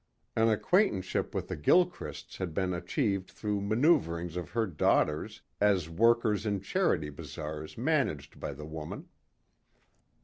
An acquaintanceship with the Gilchrists had been achieved through manoeuverings of her daughters as workers in charity bazaars managed by the woman.